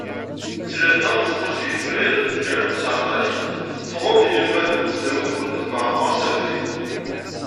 Ttlata seṭṭacdeg yebrir zuǧ alaf u seεṭac, ffɣen-d yinelmaden n tesdawit Lmulud At Mɛemmer s abrid.